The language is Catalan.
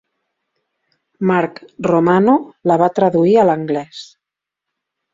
Marc Romano la va traduir a l'anglès.